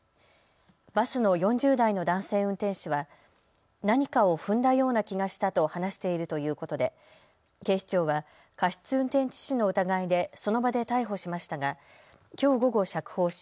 バスの４０代の男性運転手は何かを踏んだような気がしたと話しているということで警視庁は過失運転致死の疑いでその場で逮捕しましたがきょう午後、釈放し